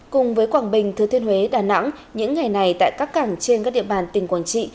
cùng với quảng bình thừa thiên huế đà nẵng những ngày này tại các cảng trên các địa bàn tỉnh quảng trị